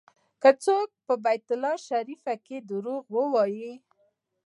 که څوک په بیت الله شریف کې دروغ ووایي.